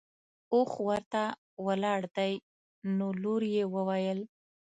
اوښ ورته ولاړ دی نو لور یې وویل.